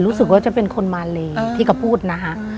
รู้สึกว่าจะเป็นคนมาเลที่เขาพูดนะฮะ